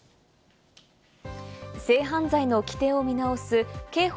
性犯罪の規定を見直す刑法